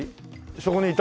そこにいた？